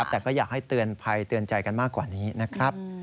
แต่ก็อยากให้เตือนภัยเตือนใจกันมากกว่านี้นะครับ